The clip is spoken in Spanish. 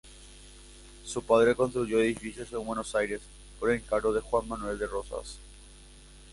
Su padre construyó edificios en Buenos Aires por encargo de Juan Manuel de Rosas.